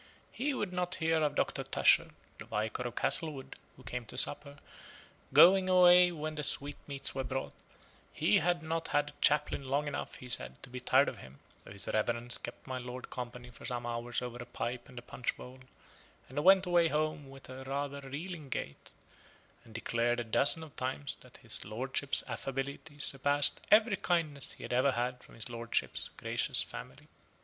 He would not hear of Doctor Tusher (the Vicar of Castlewood, who came to supper) going away when the sweetmeats were brought: he had not had a chaplain long enough, he said, to be tired of him: so his reverence kept my lord company for some hours over a pipe and a punch bowl; and went away home with rather a reeling gait, and declaring a dozen of times, that his lordship's affability surpassed every kindness he had ever had from his lordship's gracious family.